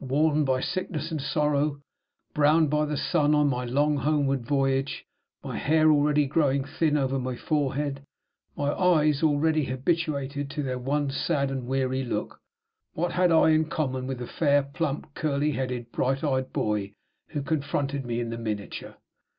Worn by sickness and sorrow; browned by the sun on my long homeward voyage; my hair already growing thin over my forehead; my eyes already habituated to their one sad and weary look; what had I in common with the fair, plump, curly headed, bright eyed boy who confronted me in the miniature?